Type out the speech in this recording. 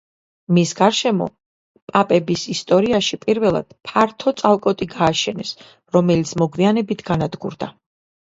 მის გარშემო პაპების ისტორიაში პირველად ფართო წალკოტი გააშენეს, რომელიც მოგვიანებით განადგურდა.